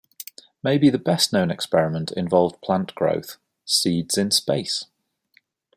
Maybe the best-known experiment involved plant growth: "Seeds in Space".